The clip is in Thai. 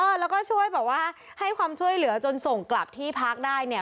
แล้วก็ช่วยแบบว่าให้ความช่วยเหลือจนส่งกลับที่พักได้เนี่ย